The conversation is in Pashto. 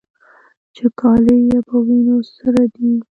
چې کالي يې په وينو سره دي.